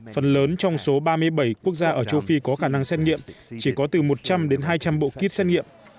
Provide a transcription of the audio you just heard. phần lớn trong số ba mươi bảy quốc gia ở châu phi có khả năng xét nghiệm chỉ có từ một trăm linh đến hai trăm linh bộ kit xét nghiệm